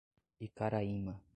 Icaraíma